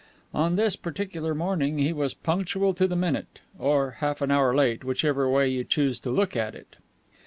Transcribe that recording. On this particular morning he was punctual to the minute, or half an hour late, whichever way you choose to look at it.